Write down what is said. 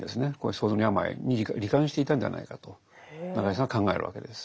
創造の病いに罹患していたんではないかと中井さんは考えるわけです。